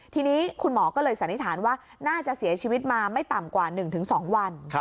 ทีนี้คุณหมอก็เลยสันนิษฐานว่าน่าจะเสียชีวิตมาไม่ต่ำกว่า๑๒วัน